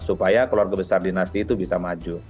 supaya keluarga besar dinasti itu bisa maju